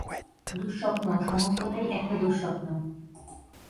দুঃস্বপ্ন, সমস্তটাই একটা দুঃস্বপ্ন।